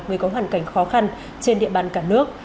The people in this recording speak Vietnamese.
người có hoàn cảnh khó khăn trên địa bàn cả nước